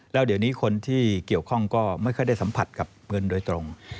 แล้วเดี๋ยวนี้คนที่เกี่ยวข้องก็ไม่ค่อยได้สัมผัสกับเงินโดยตรง